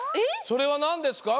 それはなんですか？